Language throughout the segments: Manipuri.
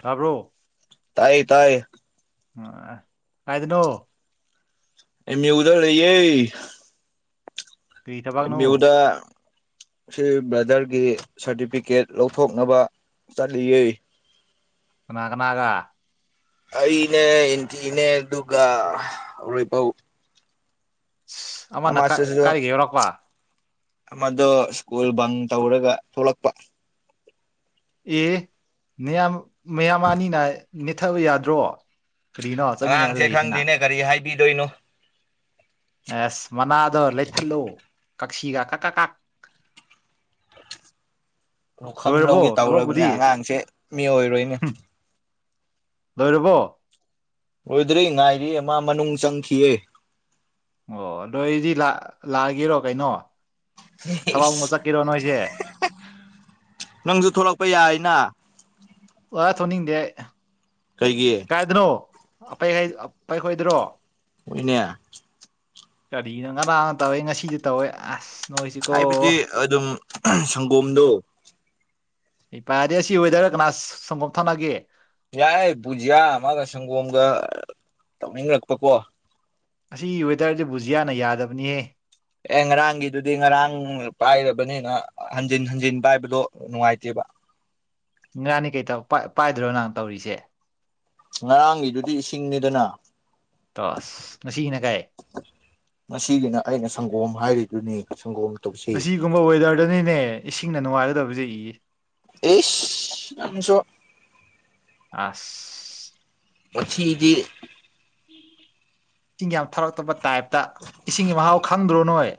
ꯇꯥꯕ꯭ꯔꯣ ꯇꯥꯏ ꯇꯥꯏ ꯀꯥꯏꯗꯅꯣ ꯑꯦꯃꯤ ꯎꯗ ꯂꯩꯌꯦꯦ ꯀꯔꯤ ꯊꯕꯛꯅꯣ ꯃꯤꯕꯨꯗ ꯁꯤ ꯕ꯭ꯔꯗꯔꯒꯤ ꯁꯥꯔꯇꯤꯐꯤꯀꯦꯠ ꯂꯧꯊꯣꯛꯅꯕ ꯆꯠꯂꯤꯌꯦ ꯅꯥꯒꯅꯥꯒ ꯑꯩꯅꯦ ꯑꯦꯟꯇꯤꯅꯦ ꯑꯗꯨꯒ ꯑꯣꯏ ꯄꯧ ꯑꯃꯅ ꯑꯃꯁꯨꯁꯨ ꯀꯥꯏꯒ ꯌꯧꯔꯛꯄ ꯑꯃꯗꯣ ꯁ꯭ꯀꯨꯜ ꯕꯟ ꯇꯧꯔꯒ ꯊꯣꯛꯂꯛꯄ ꯑꯦꯌꯥꯝ ꯃꯌꯥꯝ ꯑꯅꯤꯅ ꯅꯦꯠꯊꯕ ꯌꯥꯗ꯭ꯔꯣ ꯀꯔꯤꯅꯣ ꯆꯠꯃꯤꯟꯅ ꯑꯉꯥꯡꯁꯦ ꯂꯩꯔꯤꯁꯤꯅ ꯈꯪꯗꯦꯅꯦ ꯀꯔꯤ ꯍꯥꯏꯕꯤꯗꯣꯏꯅꯣ ꯑꯦꯁ ꯃꯅꯥꯗꯣ ꯂꯩꯊꯠꯂꯣ ꯀꯛꯁꯤꯒ ꯀꯛ ꯀ ꯀ ꯂꯧꯈꯝ ꯂꯧꯒꯦ ꯇꯧꯔꯕꯅꯦ ꯊꯕꯛꯄꯨꯗꯤ ꯑꯉꯥꯡꯁꯦ ꯃꯤ ꯑꯣꯏꯔꯣꯏꯅꯦ ꯍꯨꯝ ꯂꯣꯏꯔꯕꯣ ꯑꯣꯏꯗ꯭ꯔꯤ ꯉꯥꯏꯔꯤꯌꯦ ꯃꯥ ꯃꯅꯨꯡ ꯆꯪꯈꯤꯌꯦ ꯑꯣ ꯑꯗꯣ ꯑꯩꯗꯤ ꯂ ꯂꯥꯛꯑꯒꯦꯔꯣ ꯀꯩꯅꯣ ꯊꯕꯛ ꯑꯃꯨꯛ ꯆꯠꯀꯦꯔꯣ ꯅꯣꯏꯁꯦ ꯅꯪꯁꯨ ꯊꯂꯛꯄ ꯌꯥꯏꯅ ꯋꯥ ꯊꯣꯅꯤꯡꯗꯦ ꯀꯩꯒꯤꯌꯦ ꯀꯥꯏꯗꯅꯣ ꯄꯥꯏ ꯈꯣꯏꯗ꯭ꯔꯣ ꯍꯣꯏꯅꯦ ꯀꯔꯤꯅꯣ ꯉꯔꯥꯡꯅ ꯇꯧꯋꯦ ꯉꯁꯤꯗꯤ ꯇꯧꯋꯦ ꯑꯁ ꯅꯣꯏꯁꯤꯀꯣ ꯍꯥꯏꯕꯗꯤ ꯑꯗꯨꯝ ꯁꯪꯒꯣꯝꯗꯣ ꯏ ꯄꯥꯏꯔꯗꯤꯦ ꯁꯤ ꯋꯦꯗꯔ ꯀꯅꯥ ꯁꯪꯒꯣꯝ ꯊꯥꯎꯅꯒꯦ ꯌꯥꯏ ꯕꯨꯖꯤꯌꯥ ꯑꯃꯒ ꯁꯪꯒꯣꯝꯒ ꯇꯧꯅꯤꯡꯂꯛꯄꯀꯣ ꯑꯁꯤꯒꯤ ꯋꯦꯗꯔꯁꯤꯕꯨꯖꯤꯌꯥꯅ ꯌꯥꯗꯕꯅꯤꯍꯦ ꯑꯦ ꯉꯔꯥꯡꯒꯤꯗꯨꯗꯤ ꯉꯔꯥꯡ ꯄꯥꯏꯔꯕꯅꯤꯅ ꯍꯟꯖꯤꯟ ꯍꯟꯖꯤꯟꯕ ꯍꯥꯏꯕꯗꯣ ꯅꯨꯡꯉꯥꯏꯇꯦꯕ ꯏꯔꯥꯅꯤ ꯀꯩ ꯄꯥꯏꯗ꯭ꯔꯣ ꯅꯍꯪ ꯇꯧꯔꯤꯁꯦ ꯉꯔꯥꯡꯒꯤꯗꯨꯗꯤ ꯏꯁꯤꯡꯅꯤꯗꯅ ꯇꯣꯁ ꯉꯁꯤꯒꯤꯅ ꯀꯩ ꯉꯁꯤꯒꯤꯅ ꯑꯩꯅ ꯁꯪꯒꯣꯝ ꯍꯥꯏꯔꯤꯗꯨꯅꯤ ꯁꯪꯒꯣꯝ ꯇꯧꯁꯤ ꯑꯁꯤꯒꯨꯝꯕ ꯋꯦꯗꯔꯗꯅꯤꯅꯦ ꯏꯁꯤꯡꯅ ꯅꯨꯡꯉꯥꯏꯒꯗꯕꯁꯦ ꯏ ꯇꯩꯁ ꯑꯁꯨ ꯑꯁ ꯄꯊꯤꯗꯤ ꯏꯤꯡ ꯌꯥꯝ ꯊꯔꯛꯇꯕ ꯇꯥꯏꯞꯇ ꯏꯁꯤꯡꯒꯤ ꯃꯍꯥꯎ ꯈꯪꯗ꯭ꯔꯣ ꯅꯣꯏ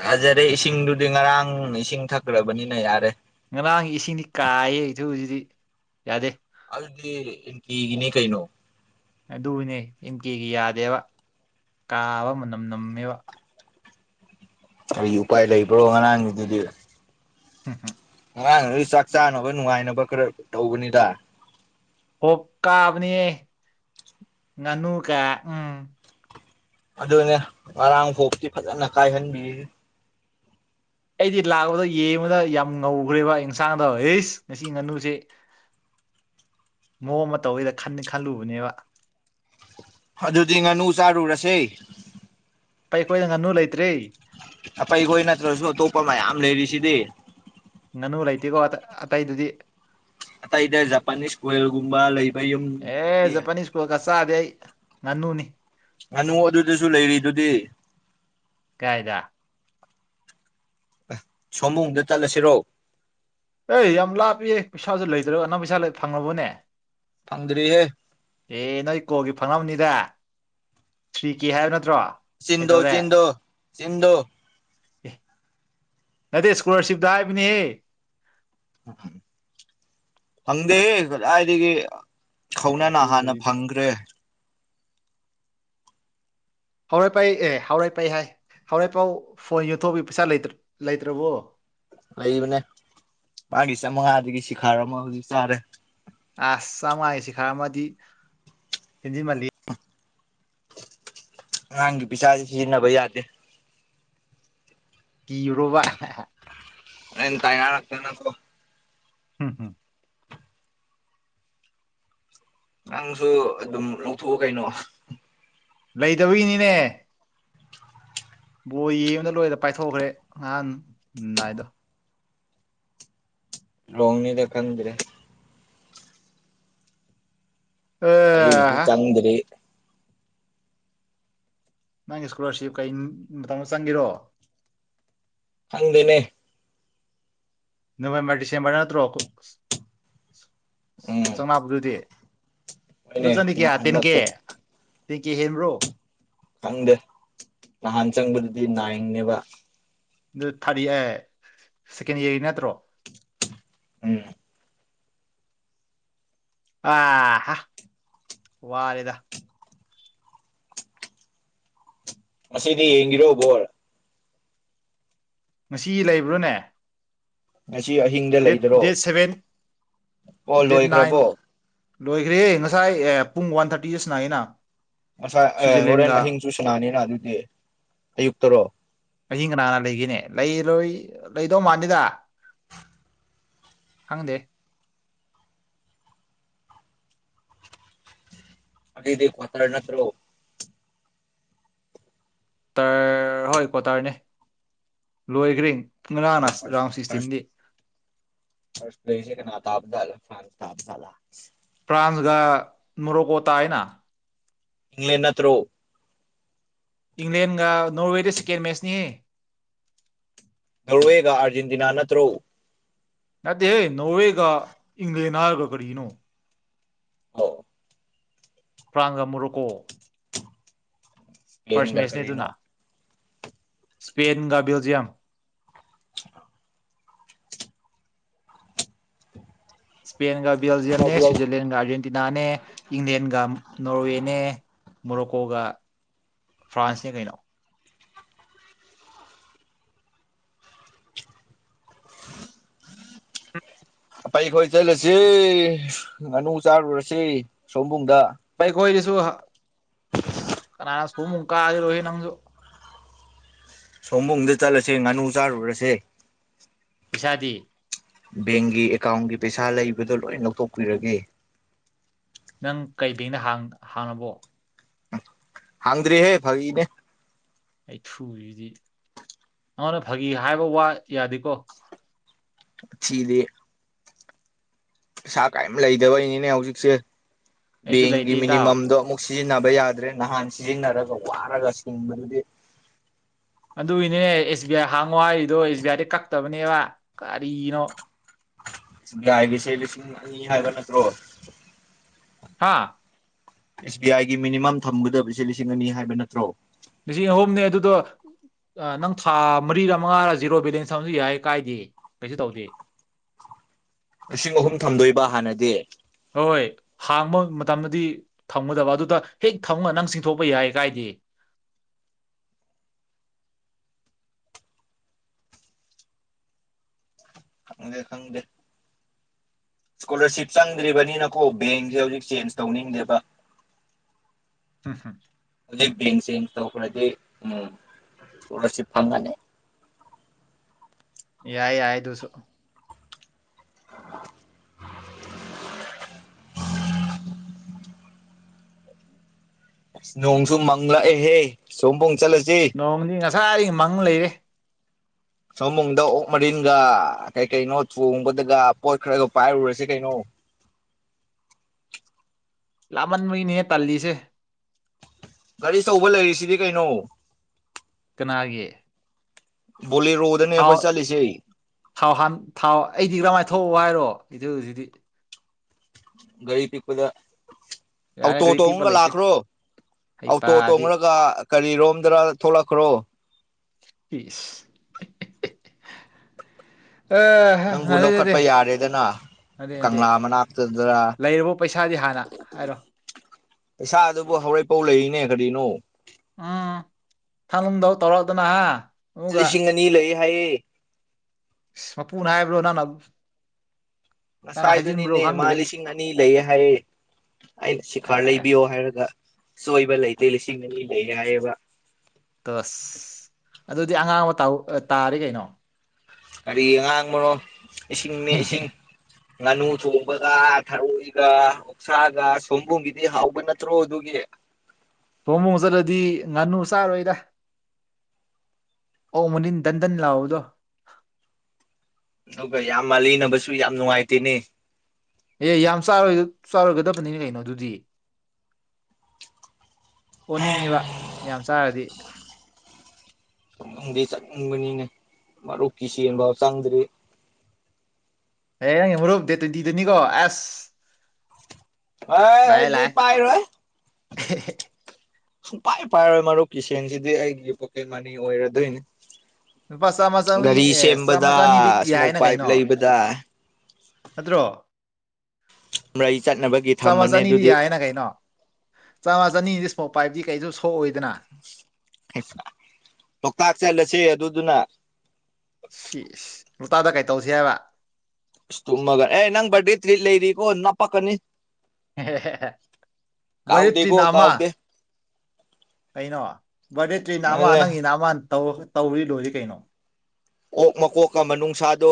ꯐꯖꯔꯦ ꯏꯁꯤꯡꯗꯨꯗꯤ ꯉꯔꯥꯡ ꯏꯁꯤꯡ ꯊꯛꯈ꯭ꯔꯕꯅꯤꯅ ꯌꯥꯔꯦ ꯉꯔꯥꯡ ꯏꯁꯤꯡꯗꯤ ꯀꯥꯏꯌꯦ ꯑꯩꯁꯨ ꯍꯧꯖꯤꯗꯤ ꯌꯥꯗꯦ ꯑꯗꯨꯗꯤ ꯀꯤꯒꯤꯅꯤ ꯀꯩꯅꯣ ꯑꯗꯨꯕꯨꯅꯦ ꯏꯟ ꯀꯦꯒꯤ ꯌꯥꯗꯦꯕ ꯀꯥꯕ ꯃꯅꯝ ꯅꯝꯃꯦꯕ ꯀꯔꯤ ꯎꯄꯥꯏ ꯂꯩꯕ꯭ꯔꯣ ꯉꯔꯥꯡꯒꯤꯗꯨꯗꯤ ꯁꯐꯔ ꯑꯉꯥꯡꯗꯨꯒꯤ ꯆꯥꯛ ꯆꯥꯅꯕ ꯅꯨꯡꯉꯥꯏꯅꯕ ꯈꯔ ꯇꯧꯕꯅꯤꯗ ꯍꯣꯞ ꯀꯥꯕꯅꯤꯌꯦ ꯉꯥꯅꯨ ꯀꯦ ꯎꯝ ꯑꯗꯨꯅꯦ ꯉꯔꯥꯡ ꯐꯥꯎꯇꯤ ꯐꯖꯅ ꯀꯥꯏꯍꯟꯕꯤ ꯑꯩꯗꯤ ꯂꯥꯛꯄꯗ ꯌꯦꯡꯕꯗ ꯌꯥꯝ ꯉꯧꯈ꯭ꯔꯦꯕ ꯌꯦꯟꯁꯥꯡꯗ ꯍꯁ ꯉꯁꯤ ꯉꯥꯅꯨꯁꯦ ꯃꯑꯣꯡ ꯑꯃ ꯇꯧꯋꯤꯗ ꯈ ꯈꯜꯂꯨꯕꯅꯦꯕ ꯑꯗꯨꯗꯤ ꯉꯥꯅꯨ ꯆꯥꯔꯨꯔꯁꯦ ꯄꯩ ꯑꯩꯈꯣꯏꯅ ꯉꯥꯅꯨ ꯂꯩꯇ꯭ꯔꯔꯤ ꯑ ꯑꯩꯈꯣꯏ ꯅꯠꯇ꯭ꯔꯁꯨ ꯑꯇꯣꯞꯄ ꯃꯌꯥꯝ ꯂꯩꯔꯤꯁꯤꯗꯤ ꯉꯥꯅꯨ ꯂꯩꯇꯦꯀꯣ ꯑꯇꯩꯗꯨꯗꯤ ꯑꯇꯩꯗ ꯖꯄꯥꯅꯤꯁ ꯀꯜꯒꯨꯝꯕ ꯂꯩꯕ ꯌꯨꯝꯒꯨꯝꯕꯗꯗꯤ ꯁꯣꯛꯒ ꯆꯥꯗꯤꯦ ꯑꯩ ꯉꯥꯅꯨꯅꯤ ꯉꯥꯅꯨ ꯑꯗꯨꯗꯁꯨ ꯂꯩꯔꯤ ꯑꯗꯨꯗꯤ ꯀꯥꯏꯗ ꯑ ꯁꯣꯕꯝꯗ ꯆꯠꯂꯁꯤꯔꯣ ꯑꯦ ꯌꯥꯝ ꯂꯥꯞꯄꯤꯌꯦ ꯄꯩꯁꯥꯁꯨ ꯂꯩꯇꯔꯣ ꯑꯅ ꯄꯩꯁꯥ ꯐꯪꯉꯕꯅꯦ ꯐꯪꯗꯔꯤꯍꯦ ꯑꯦ ꯅꯣꯏ ꯀꯣꯜꯒꯤ ꯐꯪꯉꯕꯅꯤꯗ ꯊ꯭ꯔꯤ ꯀꯦ ꯍꯥꯏꯕ ꯅꯠꯇ꯭ꯔꯣ ꯁꯤꯟꯙꯣ ꯀꯩꯇꯧꯔꯦ ꯁꯤꯟꯙꯣ ꯁꯤꯟꯙꯣ ꯑꯦ ꯅꯠꯇꯦ ꯏꯁꯀꯣꯂꯥꯔꯁꯤꯞꯇ ꯍꯥꯏꯕꯅꯤꯍꯦ ꯎ ꯍꯪꯗꯦꯗꯤꯗꯒꯤ ꯑꯩ ꯀꯧꯅꯥꯅ ꯍꯥꯟꯅ ꯊꯨꯕꯁꯤꯗꯤ ꯐꯪꯈ꯭ꯔꯦ ꯍꯥꯎꯔꯏ ꯄꯩ ꯑꯦ ꯍꯥꯎꯔꯏ ꯄꯩ ꯍꯥꯏ ꯍꯥꯎꯔꯏ ꯄꯥꯎ ꯐꯣꯟ ꯌꯣꯟꯊꯣꯛꯄꯒꯤ ꯄꯩꯁꯥꯇ ꯂꯩꯇ꯭ꯔꯕꯣ ꯂꯩꯕꯅꯦ ꯃꯥꯒꯤ ꯆꯥꯃꯉꯥꯗꯒꯤ ꯁꯤꯈꯥꯔ ꯑꯃ ꯍꯧꯖꯤꯛ ꯆꯥꯔꯦ ꯑꯁ ꯆꯥꯃꯉ ꯍꯥꯏꯁꯤ ꯈꯔ ꯑꯃꯗꯤ ꯍꯦꯟꯖꯤꯟꯃꯜꯂꯤ ꯑꯉꯥꯡꯒꯤ ꯄꯩꯁꯥꯁꯦ ꯁꯤꯖꯤꯟꯅꯕ ꯌꯥꯗꯦ ꯀꯤꯨꯔꯣꯕ ꯀꯥꯏ ꯌꯥꯔꯥꯛ ꯅꯣ ꯍꯝ ꯍꯝ ꯅꯪꯁꯨ ꯑꯗꯨꯝ ꯂꯧꯊꯣꯛꯑꯣ ꯀꯩꯅꯣ ꯂꯩꯗꯧꯔꯤꯅꯤꯅꯦ ꯕꯣ ꯌꯦꯡꯕꯅ ꯂꯣꯏꯔ ꯄꯥꯏꯊꯣꯛꯈ꯭ꯔꯦ ꯅꯍꯥꯟꯅꯥꯏꯗꯣ ꯂꯣꯡꯅꯤ ꯗ ꯀꯗ꯭ꯔꯦ ꯑ ꯑꯩ ꯏ ꯆꯟꯔꯤ ꯅꯪꯒꯤ ꯏꯁꯀꯣꯂꯥꯔꯁꯤꯞ ꯀꯩ ꯃꯇꯝꯗ ꯆꯪꯒꯤꯔꯣ ꯍꯪꯗꯦꯅꯦ ꯅꯕꯦꯝꯕꯔ ꯗꯤꯁꯦꯝꯕꯔ ꯅꯠꯇ꯭ꯔꯣ ꯎꯝ ꯆꯪꯝꯄꯗꯨꯗꯤ ꯍꯣꯏꯅꯦ ꯖꯅꯤ ꯀꯦꯌꯥ ꯇꯦꯟꯀꯦ ꯍꯟꯗꯛꯁꯨ ꯇꯦꯡ ꯀꯦ ꯍꯦꯟꯕ꯭ꯔꯣ ꯈꯪꯗꯦ ꯅꯍꯥꯟ ꯆꯪꯕꯗꯨꯗꯤ ꯅꯥꯏꯡꯅꯦꯕ ꯑꯗꯨ ꯊꯥꯔꯠꯔ ꯁꯦꯀꯦꯟ ꯏꯌꯥꯔꯒꯤ ꯅꯠꯇ꯭ꯔꯣ ꯎꯝ ꯑ ꯋꯥꯔꯦꯗ ꯃꯁꯤꯗꯤ ꯌꯦꯡꯕꯤꯔꯣ ꯕꯣꯜ ꯉꯁꯤ ꯂꯩꯕ꯭ꯔꯣꯅꯦ ꯃꯁꯤ ꯑꯤꯡ ꯗꯦꯠ ꯗꯦꯠ ꯁꯚꯦꯟ ꯑꯣ ꯗꯦꯠ ꯅꯥꯏꯟ ꯂꯣꯏꯈ꯭ꯔꯕꯣ ꯂꯣꯏꯈ꯭ꯔꯦ ꯉꯁꯥꯏ ꯑꯦ ꯄꯨꯡ ꯋꯥꯟ ꯊꯥꯔꯇꯤꯗꯁꯨꯅꯥꯏꯅ ꯉꯁꯥꯏ ꯑꯦ ꯍꯣꯔꯦꯟ ꯑꯍꯤꯡꯁꯨ ꯁꯅꯥꯅꯤꯅ ꯑꯗꯨꯗꯤ ꯑꯌꯨꯛꯇꯔꯣ ꯃꯍꯤꯡ ꯀꯅꯥꯅ ꯂꯩꯒꯅꯦ ꯂꯩꯔꯣꯏ ꯂꯩꯗꯧ ꯃꯥꯅꯤꯗ ꯈꯪꯗꯦ ꯑꯗꯨꯗꯗꯤ ꯀꯅꯥꯅꯠꯇꯣ ꯇꯔ ꯍꯣꯏ ꯀ꯭ꯋꯥꯇꯔꯅꯦ ꯂꯣꯏꯈ꯭ꯔꯔꯤ ꯀꯪꯂꯥꯅ ꯐꯥꯔꯁ ꯔꯥꯎꯟ ꯁꯤꯛꯁꯇꯤꯟꯗꯤ ꯐ ꯂꯩꯁꯦ ꯀꯅꯥ ꯇꯞꯖꯂ ꯐꯥꯟ ꯇꯞꯂ ꯐ꯭ꯔꯥꯟꯁꯒ ꯅꯨꯔꯣꯀꯣꯇꯥ ꯍꯥꯏꯅ ꯏꯪꯪꯂ꯭ꯂꯦꯟꯅ ꯊ꯭ꯔꯣ ꯏꯪꯂꯦꯟꯒ ꯅꯣꯔꯋꯦꯗ ꯁꯦꯀꯦꯟ ꯃꯦꯠꯆꯅꯤꯍ ꯇꯧꯔꯑꯦꯒ ꯑꯥꯔꯖꯦꯟꯇꯤꯅꯥ ꯅꯠꯇ꯭ꯔꯣ ꯅꯠꯇꯦ ꯍ ꯅꯣꯋꯦꯒ ꯏꯪꯂꯦꯅꯥꯔꯒ ꯀꯔꯤꯅꯣ ꯑꯥ ꯄ꯭ꯔꯥꯡꯒꯝ ꯑꯃꯨꯔꯣꯀꯣ ꯐꯥꯔ꯭ꯁ ꯏꯁꯄꯦꯟꯒ ꯃꯦꯠꯁꯅꯦ ꯑꯗꯨꯅ ꯀꯔꯤꯅꯣ ꯁ꯭ꯄꯦꯟꯒ ꯕꯦꯜꯖꯤꯌꯝ ꯁꯄꯦꯟ ꯕꯦꯜꯖꯤꯌꯝꯅꯦ ꯁ꯭ꯋꯖꯔꯂꯦꯟꯒ ꯑꯔꯦꯟ ꯇꯤꯅꯥꯅꯦ ꯏꯪꯂꯦꯟꯒ ꯅꯣꯔꯋꯦꯅꯦ ꯃꯣꯔꯣꯛꯀꯣꯒ ꯐ꯭ꯔꯥꯟꯁꯅꯦ ꯀꯩꯅꯣ ꯐꯩ ꯑꯩꯈꯣꯏ ꯆꯠꯂꯁꯤ ꯉꯥꯅꯨ ꯆꯥꯔꯨꯔꯁꯤ ꯁꯣꯝꯕꯨꯡꯗ ꯥꯏ ꯀꯣꯏꯗꯤꯁꯨ ꯅꯥ ꯁꯨꯃꯨ ꯀꯥꯑꯗꯤ ꯔꯣꯍꯤ ꯅꯪꯁꯨ ꯁꯣꯝꯕꯨꯡꯗ ꯆꯠꯂꯁꯦ ꯉꯥꯅꯨ ꯆꯥꯔꯨꯔꯁꯦ ꯄꯤꯁꯥꯗꯤ ꯕꯦꯡꯒꯤ ꯑꯦꯀꯥꯎꯟꯒꯤ ꯄꯩꯁꯥ ꯂꯩꯕꯗꯣ ꯂꯣꯏ ꯂꯧꯊꯣꯛꯄꯤꯔꯒꯦ ꯅꯪ ꯀꯩꯕꯦꯡꯅ ꯍꯥꯡꯉꯕꯣ ꯍꯪꯗ꯭ꯔꯤ ꯍꯦ ꯐꯅꯦ ꯑꯩ ꯊꯨꯔꯤꯗꯤ ꯅꯉꯣꯟꯗ ꯐꯥꯒꯤ ꯍꯥꯏꯕ ꯋꯥ ꯌꯥꯗꯦꯀꯣ ꯆꯤꯗꯦ ꯏꯁ ꯀꯥꯏꯝ ꯂꯩꯗꯕꯩꯅꯤꯅꯦ ꯍꯧꯖꯤꯛꯁꯦ ꯑꯩꯁꯨ ꯕꯦꯡꯒꯤ ꯂꯩꯇꯦ ꯏꯇꯥꯎ ꯃꯤꯅꯤꯃꯝꯗꯣ ꯑꯃꯨꯛ ꯁꯤꯖꯤꯟꯅꯕ ꯌꯥꯗ꯭ꯔꯦ ꯅꯍꯥꯟ ꯁꯤꯖꯤꯟꯅꯔꯒ ꯋꯥꯔꯒ ꯁꯤꯡꯕꯗꯨꯗꯤ ꯑꯗꯨꯒꯤꯅꯦ ꯑꯦꯁ ꯕꯤ ꯑꯥꯏ ꯍꯥꯡꯉꯣ ꯍꯥꯏꯔꯤꯗꯣ ꯑꯦꯁ ꯕꯤ ꯑꯥꯏꯗꯤ ꯀꯛꯇꯕꯅꯦꯕ ꯀꯔꯤꯅꯣ ꯍꯥꯏꯕꯤꯁꯦꯁꯤꯡ ꯍꯥꯏꯕ ꯅꯠꯇ꯭ꯔꯣ ꯍꯥꯥ ꯑꯦꯁ ꯕꯤ ꯑꯥꯏꯒꯤ ꯃꯤꯅꯤꯃꯝ ꯊꯝꯒꯗꯕꯁꯦ ꯂꯤꯁꯤꯡ ꯑꯅꯤ ꯍꯥꯏꯕ ꯅꯠꯇ꯭ꯔꯣ ꯂꯤꯁꯤꯡ ꯑꯍꯨꯝꯅꯦ ꯑꯗꯨꯗꯣ ꯅꯪ ꯊꯥ ꯃꯔꯤꯒ ꯃꯉꯥꯒ ꯖꯤꯔꯣ ꯕꯦꯂꯦꯟꯁ ꯑꯃꯁꯨ ꯌꯥꯏ ꯀꯥꯏꯗꯦ ꯀꯩꯁꯨ ꯇꯧꯗꯦ ꯂꯤꯁꯤꯡ ꯑꯍꯨꯝ ꯊꯝꯗꯣꯏꯕ ꯍꯥꯟꯅꯗꯤ ꯍꯣꯏ ꯍꯥꯡꯕ ꯃꯇꯝꯗꯗꯤ ꯊꯝꯒꯗꯕ ꯑꯗꯨꯗ ꯍꯦꯛ ꯊꯝ ꯅꯪ ꯆꯤꯡꯊꯣꯛꯄ ꯌꯥꯏ ꯀꯥꯏꯗꯤ [unintelligible] ꯏꯁꯀꯣꯂꯔꯁꯤꯞ ꯆꯪꯗ꯭ꯔꯤꯕꯅꯤꯅꯀꯣ ꯕꯦꯡꯁꯦ ꯍꯧꯖꯤꯛ ꯆꯦꯟꯖ ꯇꯧꯅꯤꯡꯗꯦꯕ [unintelligible] ꯍꯧꯖꯤꯛ ꯕꯦꯡ ꯆꯦꯟꯖ ꯇꯧꯈ꯭ꯔꯗꯤ ꯎꯝ ꯏꯁꯀꯣꯂꯔꯁꯤꯞ ꯐꯪꯒꯅꯤ ꯌꯥꯏ ꯌꯥꯏꯗꯨꯁꯨꯣ ꯅꯣꯡꯁꯨ ꯃꯪꯪꯂꯛꯑꯦꯍꯦ ꯁꯣꯝꯝꯕꯣꯡ ꯆꯠꯂꯁꯤ ꯅꯣꯡꯃꯗꯤ ꯉꯁꯥꯏ ꯑꯩ ꯃꯪ ꯂꯩꯔꯦ ꯁꯣꯃꯨꯡꯗ ꯑꯣꯛ ꯃꯔꯤꯟꯒ ꯀꯩ ꯀꯩꯅꯣ ꯊꯣꯡꯕꯗꯒ ꯄꯣꯠ ꯈꯔꯒ ꯄꯥꯏꯔꯨꯔꯁꯤ ꯀꯩꯅꯣ ꯂꯥꯃꯟꯕꯒꯤꯅꯦꯍ ꯇꯜꯂꯤꯁꯦ ꯒꯥꯔꯤ ꯇꯧꯕ ꯂꯩꯔꯤꯁꯤꯗꯤ ꯀꯩꯅꯣ ꯀꯅꯥꯒꯤ ꯕꯣꯂꯤꯦꯔꯣꯗꯅꯦ ꯊꯥꯎ ꯑꯩꯈꯣꯏ ꯆꯠꯂꯤꯁꯦ ꯑꯩ ꯊꯥꯎ ꯍꯥꯟ ꯊꯥꯎ ꯑꯩꯗꯤ ꯀꯔꯝꯍꯅ ꯊꯣꯛꯣꯛꯑꯣ ꯍꯥꯏꯔꯣ ꯑꯗꯨ ꯑꯗꯨꯗꯤ ꯔꯤ ꯄꯤ ꯄꯨꯗ ꯌꯥꯔꯦ ꯑꯣꯥꯎꯇꯣ ꯒꯥꯔꯤ ꯄꯤꯕ ꯇꯣꯡꯉꯒ ꯂꯩꯇꯦ ꯂꯥꯛꯈ꯭ꯔꯣ ꯑꯥꯎꯇꯣ ꯍꯩꯄꯥꯗꯤ ꯇꯣꯡꯉꯒ ꯀꯔꯤꯔꯣꯝꯗꯔ ꯊꯣꯛꯂꯛꯈ꯭ꯔꯣ ꯑ ꯅꯪꯕꯨ ꯅꯠꯇꯦ ꯅꯠꯇꯦ ꯂꯧꯈꯠꯄ ꯌꯥꯔꯦꯗꯅ ꯅꯠꯇꯦ ꯅꯠꯇꯦ ꯀꯪꯂꯥ ꯃꯅꯥꯛꯇꯗ꯭ꯔ ꯂꯩꯔꯕ ꯄꯩꯁꯥꯗꯤ ꯍꯥꯟꯅ ꯍꯥꯏꯔꯣ ꯄꯩꯁꯥ ꯑꯗꯨꯕꯨ ꯍꯧꯔꯛꯄꯥꯎ ꯂꯩꯔꯤꯅꯦ ꯀꯔꯤꯅꯣ ꯎꯝ ꯊꯥꯡꯂꯅꯨꯡꯗ ꯇꯧꯔꯛꯑꯗꯅ ꯂꯤꯁꯤꯡ ꯑꯅꯤ ꯂꯩ ꯍꯥꯏꯌꯦ ꯃꯄꯨꯅ ꯍꯥꯏꯕ꯭ꯔꯣ ꯅꯪꯥꯟ ꯉꯁꯥꯏꯗꯨꯅꯤꯅꯦ ꯃꯥ ꯈꯪꯗ꯭ꯔꯦ ꯂꯤꯁꯤꯡ ꯑꯅꯤ ꯂꯩꯌꯦ ꯍꯥꯏꯌꯦ ꯑꯩꯅ ꯁꯤꯈꯥꯔ ꯂꯩꯕꯤꯌꯣ ꯑꯁ ꯍꯥꯏꯔꯒ ꯁꯣꯏꯕ ꯂꯩꯇꯦ ꯂꯤꯁꯤꯡ ꯑꯅꯤ ꯂꯩ ꯍꯥꯏꯌꯦꯕ ꯇꯁ ꯑꯗꯨꯗꯤ ꯑꯉꯥꯡꯕ ꯇꯥꯔꯤ ꯀꯩꯅꯣ ꯀꯔꯤ ꯑꯉꯥꯡꯕꯅꯣ ꯏꯁꯤꯡꯅꯤ ꯏꯁꯤꯡ ꯅꯅꯨꯁꯨꯕꯒ ꯊꯔ ꯏꯒ ꯁꯥꯒ ꯁꯣꯝꯕꯨꯝꯒꯤꯗꯤ ꯍꯥꯎꯕ ꯅꯠꯇ꯭ꯔꯣ ꯑꯗꯨꯒꯤ ꯊꯃꯣꯡ ꯆꯠꯂꯗꯤ ꯉꯥꯅꯨ ꯆꯥꯔꯣꯏꯗ ꯑꯣꯧ ꯃꯅꯤꯟ ꯗꯟꯗꯟ ꯂꯥꯛꯑꯣꯗꯣ ꯑꯗꯨꯒ ꯌꯥꯝ ꯃꯥꯜꯂꯤꯅꯕꯁꯨ ꯌꯥꯝ ꯅꯨꯡꯉꯥꯏꯇꯦꯅꯦ ꯑꯦ ꯌꯥꯝꯔ ꯆꯥꯎꯔꯣꯏꯒꯗꯕꯅꯤꯅ ꯀꯩꯅꯣ ꯑꯗꯨꯗꯤ ꯑꯣꯅꯤꯡꯉꯤꯕ ꯌꯥꯝ ꯆꯥꯔꯗꯤ [unintelligible] ꯆꯠꯅꯤꯡꯕꯅꯤꯅꯦ ꯃꯔꯨꯞꯀꯤ ꯁꯦꯟ ꯕꯥꯎ ꯆꯪꯗ꯭ꯔꯤ ꯑꯦ ꯅꯪꯒꯤ ꯃꯨꯔꯨꯞ ꯗꯦꯠ ꯇ꯭ꯋꯦꯟꯇꯤꯗꯅꯤꯀꯣ ꯑꯁ ꯍꯣꯏ ꯂꯥꯛꯑꯦ ꯍꯗꯤ ꯂꯥꯛꯑꯦ ꯄꯥꯏꯔꯣꯏ ꯁꯨꯛ ꯄꯥꯏ ꯄꯥꯏꯔꯣꯏ ꯃꯔꯨꯞꯀꯤ ꯁꯦꯟꯁꯤꯗꯤ ꯑꯩꯒꯤ ꯄꯣꯀꯦꯠ ꯃꯅꯤ ꯑꯣꯏꯔꯗꯣꯏꯅꯦ ꯂꯨꯄꯥ ꯆꯥꯝꯃ ꯆꯥꯝꯃꯔꯤ ꯒꯥꯔꯤ ꯑꯦ ꯆꯥꯝꯃ ꯁꯦꯝꯕꯗ ꯆꯅꯤꯗꯤ ꯏꯁꯃꯣꯛ ꯌꯥꯏꯅ ꯄꯥꯏꯞ ꯀꯩꯅꯣ ꯂꯩꯕꯗ ꯅꯠꯇ꯭ꯔꯣ ꯃꯔꯩ ꯆꯠꯅꯕꯒꯤ ꯆꯥꯝꯃ ꯊꯝꯃꯅꯤ ꯆꯅꯤꯗꯤ ꯑꯗꯨꯗꯤ ꯌꯥꯏꯌꯦꯅ ꯀꯩꯅꯣ ꯆꯥꯝꯃꯥ ꯆꯅꯤ ꯗꯤ ꯏꯁꯃꯣ ꯄꯥꯏꯞꯇꯗꯤ ꯀꯩꯁꯨ ꯁꯣꯛꯑꯣꯏꯗꯅ ꯂꯣꯛꯇꯥꯛ ꯆꯠꯂꯁꯦ ꯑꯗꯨꯗꯨꯅ ꯁꯤ ꯂ‌ꯣꯛꯇꯥꯛꯇꯥ ꯀꯩ ꯇꯧꯁꯤ ꯍꯥꯏꯕ ꯏꯁ ꯇꯨꯝꯃꯒ ꯑꯦ ꯅꯪ ꯕꯔꯗꯦ ꯇ꯭ꯔꯤꯠ ꯂꯩꯔꯤꯀꯣ ꯅꯞꯄꯛꯀꯅꯤ ꯕꯔꯠ ꯇꯔꯤꯠꯅ ꯀꯥꯎꯗꯦꯀꯣ ꯑꯥꯃꯥ ꯀꯥꯎꯗꯦ ꯀꯩꯅꯣ ꯕꯥꯔꯗꯦ ꯇ꯭ꯔꯤꯅ ꯑꯃ ꯑꯗꯨꯅ ꯅꯪꯒꯤ ꯅꯥ ꯑꯃ ꯇꯧꯔꯤ ꯂꯣꯏꯔꯤ ꯀꯩꯅꯣ ꯑꯣꯛ ꯃꯀꯣꯛꯀꯥ ꯃꯅꯨꯡꯁꯥꯗꯣ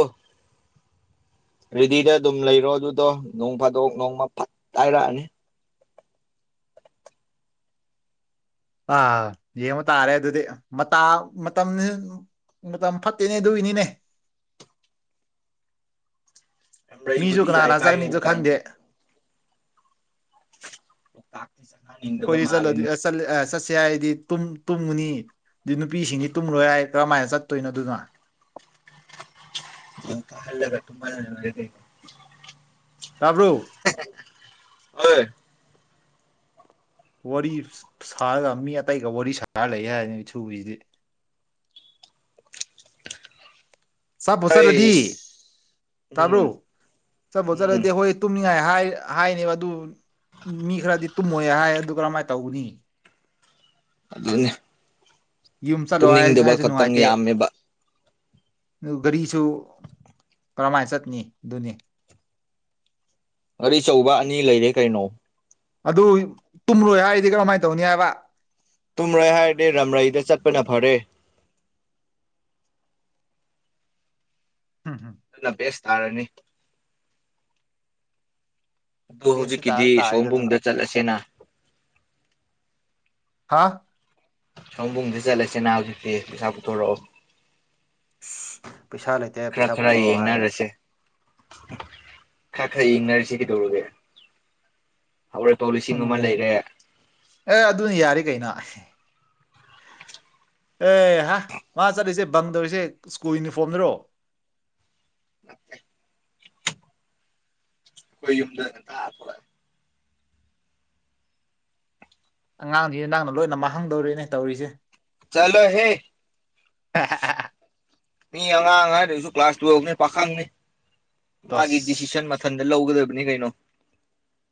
ꯔꯦꯗꯤꯗꯥ ꯑꯗꯨꯝ ꯂꯩꯔꯣ ꯑꯗꯨꯗꯣ ꯅꯣꯡ ꯐꯥꯗꯣꯛ ꯅꯣꯡꯃ ꯐꯠ ꯍꯥꯏꯔꯛꯑꯅꯤ ꯑꯥ ꯌꯦꯡꯕ ꯇꯥꯔꯦ ꯑꯗꯨꯗꯤ ꯃꯥꯇꯥ ꯃꯇꯝ ꯃꯇꯝ ꯐꯠꯇꯦꯅꯦ ꯑꯗꯨꯨꯏꯅꯤꯅꯦ ꯃꯤꯖꯨ ꯃꯔꯩꯕꯨꯗꯤ ꯀꯥꯥꯅꯥ ꯌꯥꯏ ꯀꯥꯥꯅꯥ ꯆꯠꯀꯥꯅꯤꯖꯨ ꯀꯥꯏꯅ ꯀꯥꯏꯅ ꯈꯥꯡꯗꯦ [unintelligible] ꯑꯩꯈꯣꯏꯗꯤ ꯆꯂꯗꯤ ꯃꯥꯜꯂꯦꯅꯦ ꯑꯥ ꯆꯠꯁꯦ ꯍꯥꯏꯔꯗꯤ ꯇꯨꯝ ꯇꯨꯝꯒꯅꯤ ꯑꯗꯨ ꯅꯨꯄꯤꯁꯤꯡꯗꯤ ꯇꯨꯝꯂꯣꯏ ꯍꯥꯏ ꯀꯔꯝꯃꯥꯏꯅ ꯆꯠꯇꯣꯏꯅꯣ ꯑꯗꯨꯅ [unintelligible] ꯇꯨꯝꯍꯜꯂꯒꯥ ꯂꯣꯏꯔꯦ ꯀꯩꯅꯣ ꯇꯥꯕ꯭ꯔꯣ ꯑꯣꯏ ꯋꯥꯔꯤ ꯁꯥꯔꯒꯥ ꯃꯤ ꯑꯇꯩꯒꯥ ꯋꯥꯔꯤ ꯁꯥꯔ ꯂꯩ ꯍꯥꯏꯔꯅꯤ [unintelligible] ꯆꯥꯞꯕꯨ ꯆꯥꯠꯂꯗꯤ ꯑꯩꯁ ꯇꯥꯕ꯭ꯔꯣ ꯎꯝ ꯆꯞꯕꯨ ꯎꯝ ꯆꯠꯂꯗꯤ ꯍꯣꯏ ꯇꯨꯝꯅꯤꯡꯉꯥꯏ ꯍꯥꯏ ꯍꯥꯏꯅꯦꯕ ꯑꯗꯨ ꯃꯤ ꯈꯔꯗꯤ ꯇꯨꯝꯃꯣꯏ ꯍꯥꯏ ꯑꯗꯨ ꯀꯔꯝꯃꯥꯏꯅ ꯇꯧꯒꯅꯤ ꯑꯗꯨꯅꯦ ꯌꯨꯝ ꯆꯠꯂꯣ ꯍꯥꯏ ꯇꯨꯝꯅꯤꯡꯗꯕ ꯍꯥꯏꯁꯨ ꯈꯛꯇꯪ ꯅꯨꯡꯉꯥꯏꯇꯦ ꯌꯥꯝꯃꯦꯕ ꯑꯗꯨ ꯒꯥꯔꯤꯁꯨ ꯀꯔꯝꯃꯥꯏꯅ ꯆꯠꯅꯤ ꯑꯗꯨꯅꯤ ꯒꯥꯔꯤ ꯑꯆꯧꯕ ꯑꯅꯤ ꯂꯩꯔꯦ ꯀꯩꯅꯣ ꯑꯗꯨ ꯇꯨꯝꯂꯣꯏ ꯍꯥꯏꯔꯗꯤ ꯀꯔꯝꯃꯥꯏꯅ ꯇꯧꯅꯤ ꯍꯥꯏꯕ ꯇꯨꯝꯔꯣꯏ ꯍꯥꯏꯔꯗꯤ ꯔꯝꯔꯩꯗꯥ ꯆꯠꯄꯅ ꯐꯔꯦ ꯍꯝ ꯍꯝ ꯑꯗꯨꯅ ꯕ‌ꯦꯁ ꯇꯥꯔꯅꯤ ꯑꯗꯨ ꯍꯧꯖꯤꯛꯀꯤꯗꯤ ꯁꯣꯝꯕꯨꯡꯗꯥ ꯆꯠꯂꯁꯦꯅ ꯍꯥꯥ ꯁꯣꯝꯕꯨꯡꯗꯥ ꯆꯠꯂꯁꯤꯅ ꯍꯧꯖꯤꯛꯇꯤ ꯄꯩꯁꯥ ꯄꯨꯊꯣꯔꯛꯑꯣ ꯄꯩꯁꯥ ꯂꯩꯇꯦ ꯈꯔ ꯄꯩꯁꯥ ꯈꯔ ꯄꯨꯊꯣꯔꯛꯑꯣ ꯍꯥꯏ ꯌꯦꯡꯅꯔꯁꯦ ꯈꯥ-ꯈ꯭ꯔꯥ ꯌꯦꯡꯅꯔꯁꯦ ꯀꯩꯗꯧꯔꯒꯦ ꯍꯧꯔꯣꯏ ꯐꯥꯎ ꯂꯤꯁꯤꯡ ꯑꯃ ꯎꯝ ꯂꯩꯔꯦ ꯑꯦ ꯑꯗꯨꯅ ꯌꯥꯔꯤ ꯀꯩꯅꯣ ꯑꯦ ꯍꯥ ꯃꯥ ꯆꯠꯂꯤꯁꯦ ꯕꯡ ꯇꯧꯔꯤꯁꯦ ꯁ꯭ꯀꯨꯜ ꯌꯨꯅꯤꯐꯣꯔꯝꯗꯥꯔꯣ [inaudible] ꯈꯣꯏ ꯌꯨꯝꯗ ꯉꯟꯇꯥ ꯊꯣꯛꯂꯛꯑꯦ ꯑꯉꯥꯡꯁꯤ ꯅꯪꯅ ꯂꯣꯏꯅ ꯃꯥꯡꯍꯪꯗꯧꯔꯤꯅꯦ ꯇꯧꯔꯤꯁꯦ ꯆꯥꯂꯣ ꯍꯦ ꯃꯤ ꯑꯉꯥꯡ ꯍꯥꯏꯗꯁꯨ ꯀ꯭ꯂꯥꯁ ꯇꯨꯌꯦꯞꯅꯤ ꯄꯥꯈꯪꯅꯤ ꯃꯥꯒꯤ ꯇꯣꯁ ꯗꯤꯁꯤꯁꯟ ꯃꯊꯟꯇꯥ ꯂꯧꯒꯗꯕꯅꯤ ꯀꯩꯅꯣ